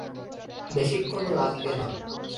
বেশীক্ষণ লাগবে না।